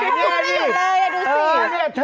ไม่เห็นเลยดูสิ